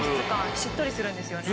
しっとりするんですよね。